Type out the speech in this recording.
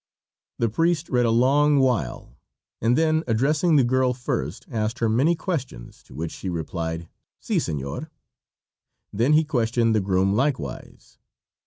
The priest read a long while, and then, addressing the girl first, asked her many questions, to which she replied, "Si, senor." Then he questioned the groom likewise.